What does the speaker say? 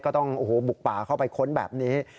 ก็ต้องบุกป่าเข้าไปค้นแบบนี้